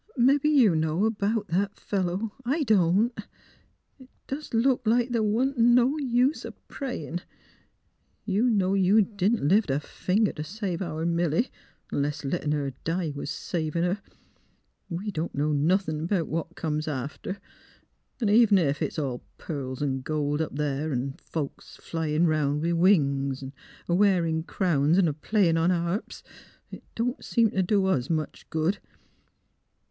Mebbe you know 'bout that fellow, I don't. ... It does look like the' wa'n't no use o' prayin'. You know you didn't lift a finger t' save our Milly — 'nless lettin' her die was savin' her. .., We don't know nothin' 'bout what comes after; 'n' even ef it's all pearls 'n' gold up there; 'n' folks a flyin' 'round with wings, a wearin' crowns, 'n' a playin' on harps, it don't seem t' do us much good.